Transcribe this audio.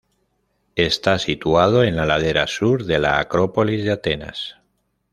Está situado en la ladera sur de la Acrópolis de Atenas.